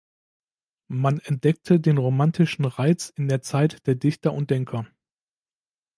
Man entdeckte den romantischen Reiz in der Zeit der Dichter und Denker.